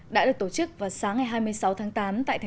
đã được tổ chức vào sáng ngày hai mươi sáu tháng tám tại tp hcm